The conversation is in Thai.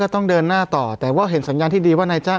ต้องเดินหน้าต่อแต่ว่าเห็นสัญญาณที่ดีว่านายจ้าง